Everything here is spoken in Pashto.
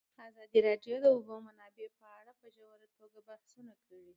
ازادي راډیو د د اوبو منابع په اړه په ژوره توګه بحثونه کړي.